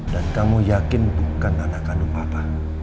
dan kamu yakin bukan anak kandung papa